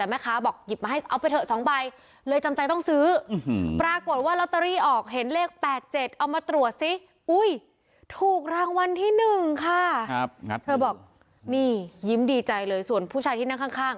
นี่ยิ้มดีใจเลยส่วนผู้ชายที่นั่งข้างสามีนะคะ